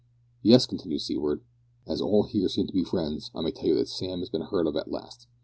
"Yes," continued Seaward; "as all here seem to be friends, I may tell you that Sam has been heard of at last.